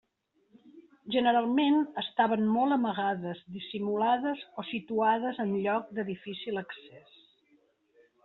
Generalment estaven molt amagades, dissimulades o situades en lloc de difícil accés.